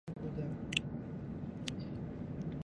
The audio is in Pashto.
د الوتکې تر خوندي کولو وروسته کیمپ جوړیږي